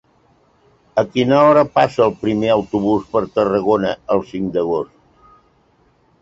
A quina hora passa el primer autobús per Tarragona el cinc d'agost?